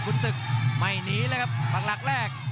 คุณศึกไม่หนีเลยครับปากหลักแรก